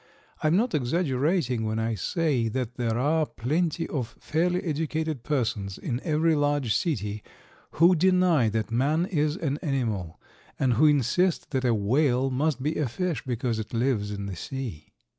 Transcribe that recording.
I am not exaggerating when I say that there are plenty of fairly educated persons in every large city who deny that man is an animal, and who insist that a whale must be a fish, because it lives in the sea.